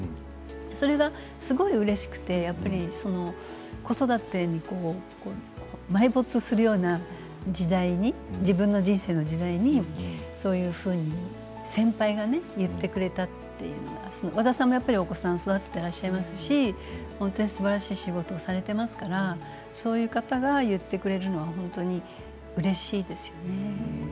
それがすごいうれしくて子育てに埋没するような時代に自分の人生の時代にそういうふうに先輩が言ってくれたというのはワダエミさんも、やっぱりお子さんを育てていらっしゃいますしすばらしい仕事をされていますからそういう方が言ってくれるのは本当にうれしいですよね。